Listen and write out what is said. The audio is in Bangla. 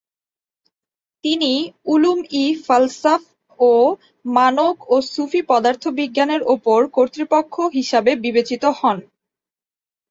তিনি উলুম-ই-ফালসাফ ও মানক ও সুফি পদার্থবিজ্ঞানের উপর কর্তৃপক্ষ হিসাবে বিবেচিত হন।